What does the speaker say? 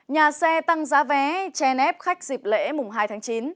nhà xe tăng giá vé che nếp khách dịp lễ mùng hai tháng chín